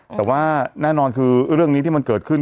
แต่ว่าแน่นอนคือเรื่องนี้ที่มันเกิดขึ้น